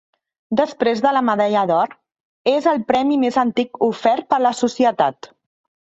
Després de la Medalla d"or, és el premi més antic ofert per la Societat.